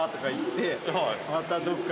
またどっか。